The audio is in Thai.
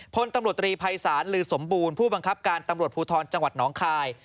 พลตำรวจตรีภัยศาลลือสมบูรณ์ผู้บังคับการตำรวจภูทรจังหวัดน้องคาย